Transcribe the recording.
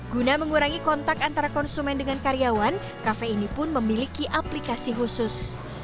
guna mengurangi kontak antara konsumen dengan karyawan kafe ini pun memiliki aplikasi khusus